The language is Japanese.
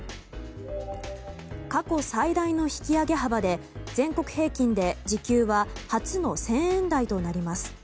過去最大の引き上げ幅で全国平均で時給は初の１０００円台となります。